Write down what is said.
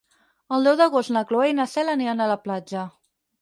El deu d'agost na Cloè i na Cel aniran a la platja.